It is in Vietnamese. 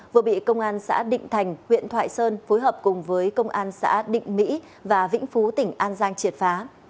vừa bị công an xã định thành huyện thoại sơn phối hợp cùng với công an xã định mỹ và vĩnh phú tỉnh an giang triệt phá